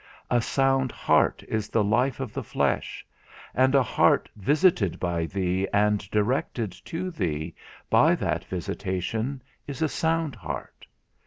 A sound heart is the life of the flesh; and a heart visited by thee, and directed to thee, by that visitation is a sound heart.